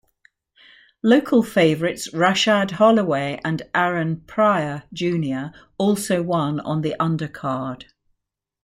Local favorites Rashad Holloway and Aaron Pryor Junior also won on the undercard.